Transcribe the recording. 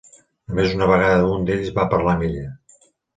Només una vegada un d'ells va parlar amb ella.